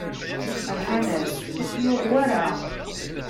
Rran-as: Ur t-yuɣ wara!